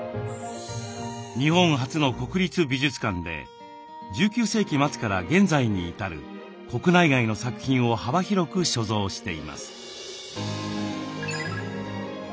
日本初の国立美術館で１９世紀末から現在に至る国内外の作品を幅広く所蔵しています。